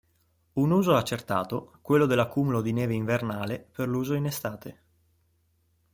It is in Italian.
Un uso accertato quello dell'accumulo di neve invernale per l'uso in estate.